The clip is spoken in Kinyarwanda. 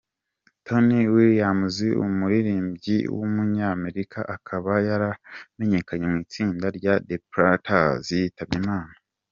Tony Williams, umuririmbyi w’umunyamerika akaba yaramenyekanye mu itsinda rya The Platters yitabye Imana.